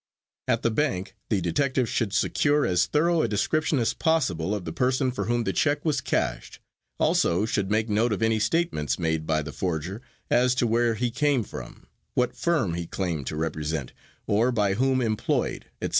At the bank the detective should secure as thorough a description as possible of the person for whom the check was cashed, also should make note of any statements made by the forger as to where he came from, what firm he claimed to represent, or by whom employed, etc.